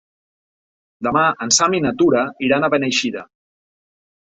Demà en Sam i na Tura iran a Beneixida.